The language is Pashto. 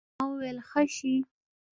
ما وويل ښه شى.